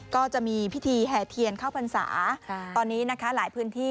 ก็จะมีพิธีแห่เทียนเข้าพรรษาตอนนี้นะคะหลายพื้นที่